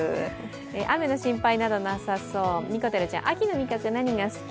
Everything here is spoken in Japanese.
雨の心配などなさそう、にこてるちゃん、秋の味覚、何が好き？